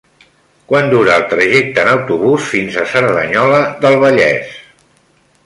Quant dura el trajecte en autobús fins a Cerdanyola del Vallès?